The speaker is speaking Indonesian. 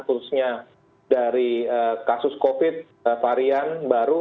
khususnya dari kasus covid varian baru